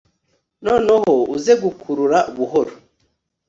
noneho uze gukurura buhoro